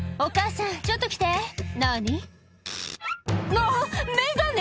「あっ眼鏡！